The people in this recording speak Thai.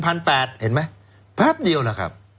ก็กลายเป็น๑๘๐๐เพิ่มเดียวนะครับ